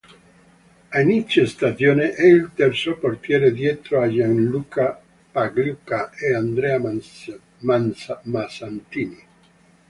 A inizio stagione è il terzo portiere dietro a Gianluca Pagliuca e Andrea Mazzantini.